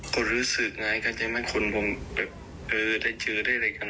ก็รู้สึกไงก็จะไม่คุ้นผมแบบเออได้เจอได้อะไรกันบ้าง